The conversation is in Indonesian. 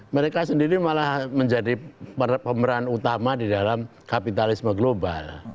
mereka sendiri malah menjadi pemeran utama di dalam kapitalisme global